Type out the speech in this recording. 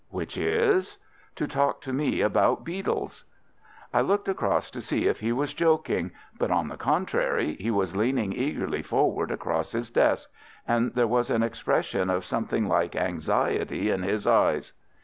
"Which is?" "To talk to me about beetles." I looked across to see if he was joking, but, on the contrary, he was leaning eagerly forward across his desk, and there was an expression of something like anxiety in his eyes.